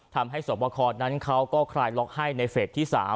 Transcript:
ทำให้สวบคนั้นเขาก็คลายล็อกให้ในเฟสที่๓